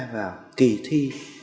vào kỳ thi